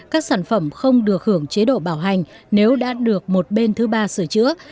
các sản phẩm không được hưởng chế độ bảo hành nếu đã được một bên thứ ba sửa chữa